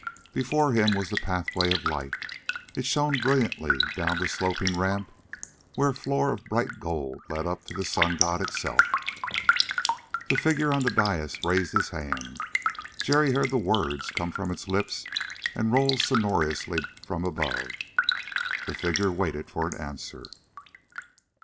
Before him was the pathway of light: it shone brilliantly down the sloping ramp where a floor of bright gold led up to the sun god itself. The figure on the dais raised its hand. Jerry heard the words come from its lips and roll sonorously back from above. The figure waited for an answer.